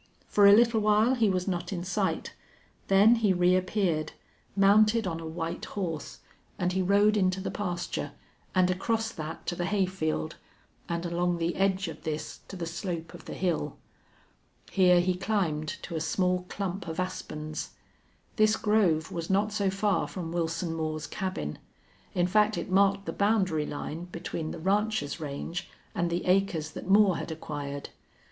For a little while he was not in sight; then he reappeared, mounted on a white horse, and he rode into the pasture, and across that to the hay field, and along the edge of this to the slope of the hill. Here he climbed to a small clump of aspens. This grove was not so far from Wilson Moore's cabin; in fact, it marked the boundary line between the rancher's range and the acres that Moore had acquired.